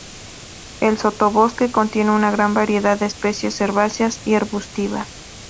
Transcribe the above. El sotobosque contiene una gran variedad de especies herbáceas y arbustivas.